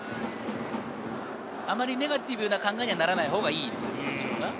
あまりネガティブな考えにならないほうがいいということでしょうか？